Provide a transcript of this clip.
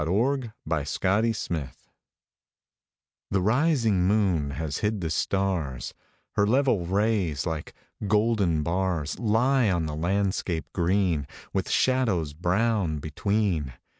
20 48 ENDMYION ENDYMION The rising moon has hid the stars ; Her level rays, like golden bars, Lie on the landscape green, With shadows brown between.